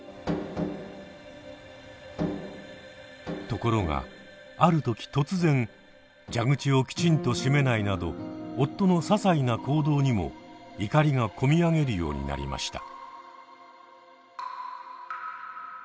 ところがある時突然蛇口をきちんと閉めないなど夫のささいな行動にも怒りが込み上げるようになりました。